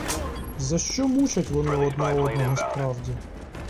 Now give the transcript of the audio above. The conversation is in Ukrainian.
За що мучать вони одне одного, справді?